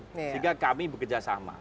sehingga kami bekerjasama